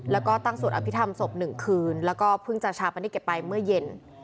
แล้วก็ตั้งสวดอภิษฐรรมศพ๑คืนแล้วก็เพิ่งจะชาปนกิจไปเมื่อเย็น